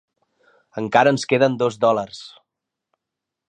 Encara ens queden dos dòlars!